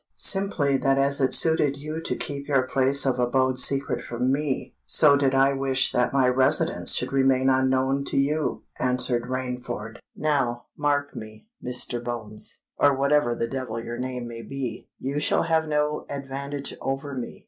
"Simply that as it suited you to keep your place of abode secret from me, so did I wish that my residence should remain unknown to you," answered Rainford, "Now, mark me, Mr. Bones—or whatever the devil your name may be:—you shall have no advantage over me.